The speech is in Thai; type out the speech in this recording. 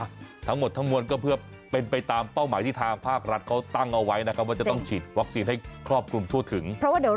ทั้งหมดทั้งมวลก็เพื่อเป็นไปตามเป้าหมายที่ทางภาครัฐเขาตั้งเอาไว้นะครับว่าจะต้องฉีดวัคซีนให้ครอบคลุมทั่วถึงเพราะว่าเดี๋ยว